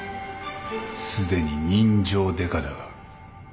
すでに人情デカだが。